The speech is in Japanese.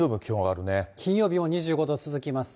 金曜日も２５度続きます。